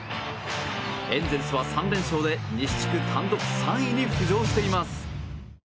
エンゼルスは３連勝で西地区単独３位に浮上しています。